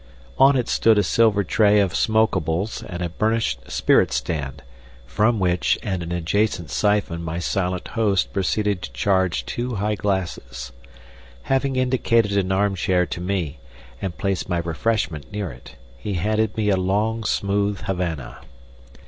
On it stood a silver tray of smokables and a burnished spirit stand, from which and an adjacent siphon my silent host proceeded to charge two high glasses. Having indicated an arm chair to me and placed my refreshment near it, he handed me a long, smooth Havana.